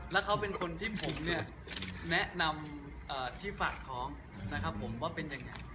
แล้วเขาเป็นคนที่ผมเนี่ยแนะนำที่ฝากท้องนะครับผมว่าเป็นยังไง